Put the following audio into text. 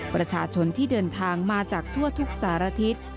ประชาชนที่เดินทางมาจากทั่วทุกสารทิศ